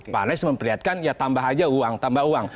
pak anies memperlihatkan ya tambah aja uang tambah uang